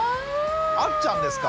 あっちゃんですか。